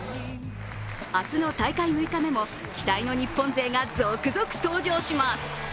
明日の大会６日目も期待の日本勢が続々登場します。